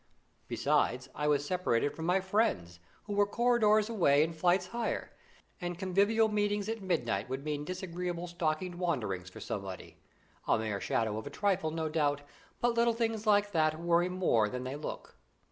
Besides, I was separated from my friends, who were corridors away and flights higher, and convivial meetings at midnight would mean disagreeable stockinged wanderings for somebody a mere shadow of a trifle, no doubt, but little things like that worry more than they look.